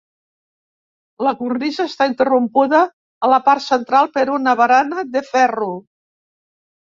La cornisa està interrompuda a la part central per una barana de ferro.